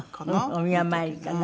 お宮参りかな。